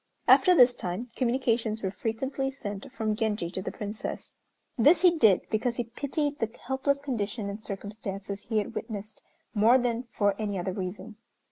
After this time communications were frequently sent from Genji to the Princess. This he did because he pitied the helpless condition and circumstances he had witnessed more than for any other reason.